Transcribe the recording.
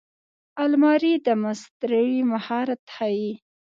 الماري د مستري مهارت ښيي